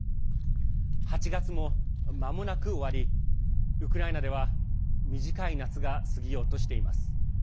８月も、まもなく終わりウクライナでは短い夏が過ぎようとしています。